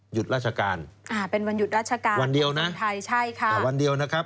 หยุดราชการอ่าเป็นวันหยุดราชการวันเดียวนะใช่ค่ะอ่าวันเดียวนะครับ